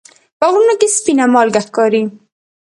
په غرونو کې سپینه مالګه ښکاري.